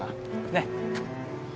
ねっ？